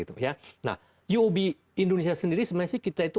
uob indonesia sendiri sebenarnya kita itu